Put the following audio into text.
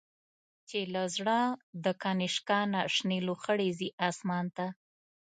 چی له زړه د”کنشکا”نه، شنی لو خړی ځی آسمان ته